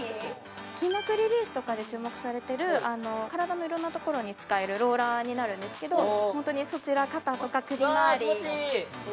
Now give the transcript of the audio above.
筋膜リリースとかで注目されてる体のいろんなところに使えるローラーになるんですけど本当にそちら肩とか首まわり気持ちいい！